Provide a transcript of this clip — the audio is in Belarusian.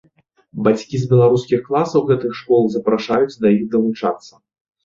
Бацькі з беларускіх класаў гэтых школ запрашаюць да іх далучацца.